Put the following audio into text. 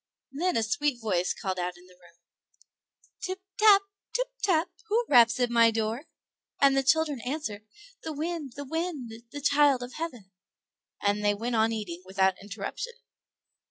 Then a sweet voice called out in the room, "Tip tap, tip tap, who raps at my door?" and the children answered, "The wind, the wind, the child of heaven"; and they went on eating without interruption.